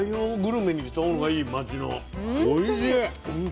おいしい。